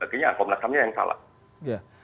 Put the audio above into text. akhirnya komnas hamnya yang salah